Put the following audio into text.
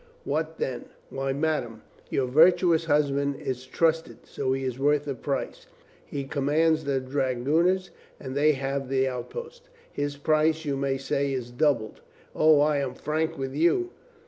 What then?" "Why, madame, your virtuous husband is trust ed. So he is worth a price. He commands the dra gooners and they have the outposts. His price, you may say, is doubled. O, I am frank with you."